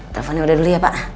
teleponnya udah dulu ya pak